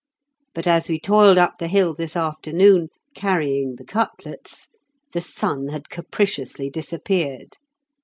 But as we toiled up the hill this afternoon, carrying the cutlets, the sun had capriciously disappeared.